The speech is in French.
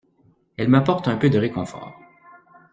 Elle m'apporte un peu de réconfort.